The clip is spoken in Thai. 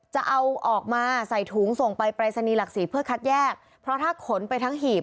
จะเอาออกมาใส่ถุงส่งไปปรายศนีย์หลักศรีเพื่อคัดแยกเพราะถ้าขนไปทั้งหีบ